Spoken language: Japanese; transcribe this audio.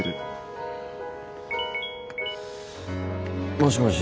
もしもし。